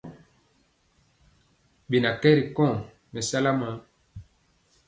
Ɓɛ na nkye ri kɔŋ mɛsala maŋ.